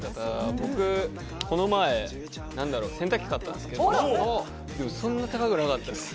僕、この前、洗濯機を買ったんですけど、そんなに高くなかったです。